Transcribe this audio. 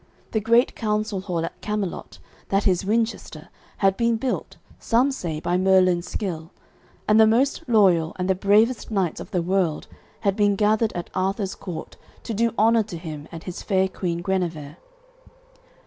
The great council hall at Camelot, that is Winchester, had been built, some say by Merlin's skill; and the most loyal and the bravest knights of the world had been gathered at Arthur's court to do honour to him and his fair Queen Guenever.